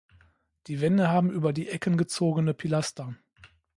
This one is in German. Die Wände haben über die Ecken gezogene Pilaster.